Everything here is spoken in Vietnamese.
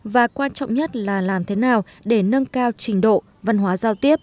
và quan trọng nhất là làm thế nào để nâng cao trình độ văn hóa giao tiếp